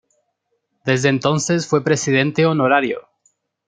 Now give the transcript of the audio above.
Desde entonces fue presidente honorario.